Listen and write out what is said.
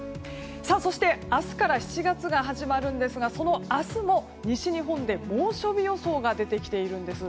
そして明日から７月が始まるんですがその明日も西日本で猛暑日予想が出てきているんです。